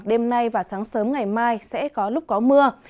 đêm nay và sáng sớm ngày mai sẽ có lúc có mưa